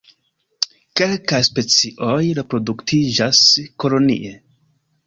Kelkaj specioj reproduktiĝas kolonie.